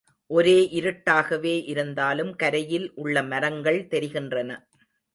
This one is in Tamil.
ஒரே இருட்டாகவே இருந்தாலும் கரையில் உள்ள மரங்கள் தெரிகின்றன.